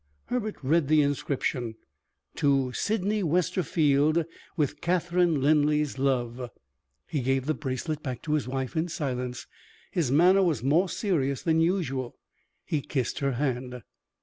Herbert read the inscription: To Sydney Westerfield with Catherine Linley's love. He gave the bracelet back to his wife in silence; his manner was more serious than usual he kissed her hand.